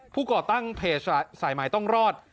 ผู้ก่อตั้งเพจสายหมายต้องรอด